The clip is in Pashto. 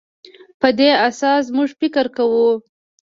په دې اساس موږ فکر کوو.